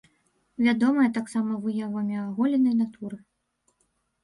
Вядомая таксама выявамі аголенай натуры.